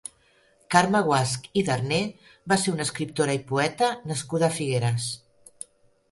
Carme Guasch i Darné va ser una escriptora i poeta nascuda a Figueres.